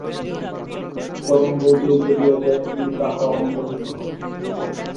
তরঙ্গও যেই চলিয়া যায়, অমনি তাহারাও অন্তর্হিত হয়।